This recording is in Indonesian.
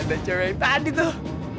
ada cerai tadi tuh